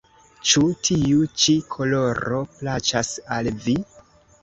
Ĉu tiu ĉi koloro plaĉas al vi?